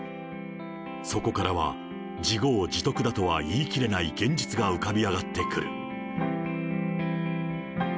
そこからは、自業自得だとはいいきれない現実が浮かび上がってくる。